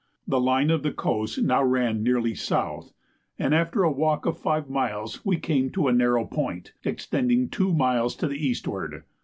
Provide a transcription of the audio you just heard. The line of coast now ran nearly south, and after a walk of five miles we came to a narrow point, extending two miles to the eastward.